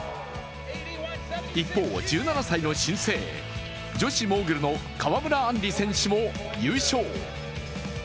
一方、１７歳の新星、女子モーグルの川村あんり選手も優勝。